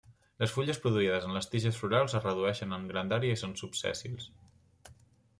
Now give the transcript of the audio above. Les fulles produïdes en les tiges florals es redueixen en grandària i són subsèssils.